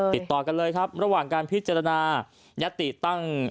ติดต่อกันเลยครับระหว่างการพิจารณายติตั้ง